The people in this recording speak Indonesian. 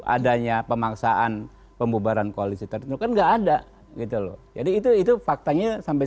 adanya pemaksaan pembubaran koalisi tertentu kan enggak ada gitu loh jadi itu itu faktanya sampai